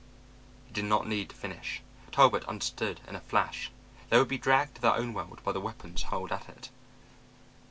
He did not need to finish. Talbot understood in a flash. They would be dragged to their own world by the weapons hurled at it.